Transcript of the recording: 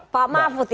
pak mahfud ini